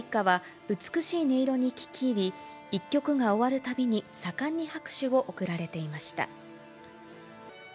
天皇ご一家は美しい音色に聴き入り、１曲が終わるたびに盛んに拍手を送られていました。